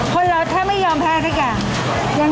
คนเราถ้าไม่ยอมแพ้สักอย่าง